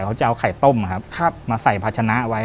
เอาไข่ต้มมาใส่พัชนะไว้